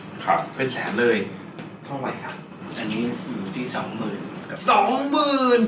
เท่าไหร่ครับอันนี้